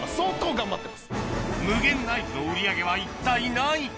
夢ゲンナイフの売り上げは一体何位か？